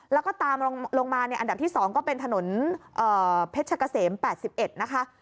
แล้วก็ตามลงมาอันดับที่๒ก็เป็นถนนเพชรกะเสม๘๑นะคะ